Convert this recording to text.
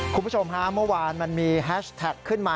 คุณผู้ชมฮะเมื่อวานมันมีแฮชแท็กขึ้นมา